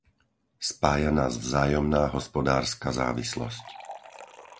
Spája nás vzájomná hospodárska závislosť.